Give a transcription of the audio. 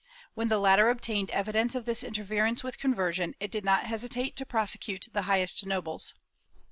When the latter obtained evidence of this interference with conversion, it did not hesitate to prosecute the highest nobles.